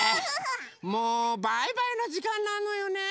もうバイバイのじかんなのよね。